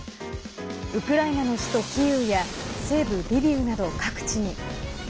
ウクライナの首都キーウや西部リビウなど各地に。